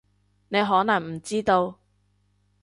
你可能唔知道